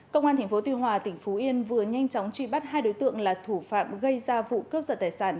công an tp tuyên hòa tỉnh phú yên vừa nhanh chóng trị bắt hai đối tượng là thủ phạm gây ra vụ cướp sợi tài sản